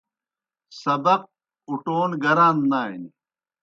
سبق اُٹون گران نانیْ۔